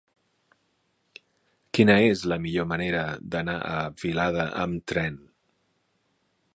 Quina és la millor manera d'anar a Vilada amb tren?